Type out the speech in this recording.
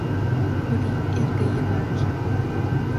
Кури эрге Йыванже